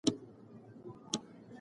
بزګران جګړې تمویل ته اړ شول.